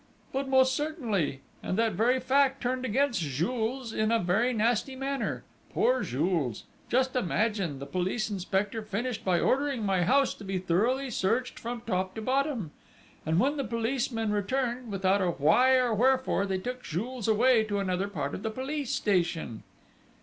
"But most certainly ... and that very fact turned against Jules, in a very nasty manner.... Poor Jules! Just imagine, the police inspector finished by ordering my house to be thoroughly searched from top to bottom! And when the policemen returned, without a why or wherefore, they took Jules away to another part of the police station!"